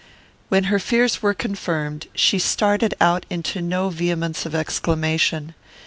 When her fears were confirmed, she started out into no vehemence of exclamation.